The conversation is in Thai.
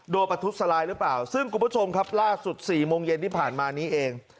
ประทุษลายหรือเปล่าซึ่งคุณผู้ชมครับล่าสุด๔โมงเย็นที่ผ่านมานี้เอง